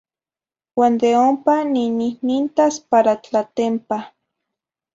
Uan de ompa ninihnintas para Tlatempa.